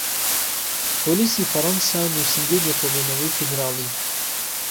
پۆلیسی فەرەنسا و نوسینگەی لێکۆڵینەوەی فیدراڵی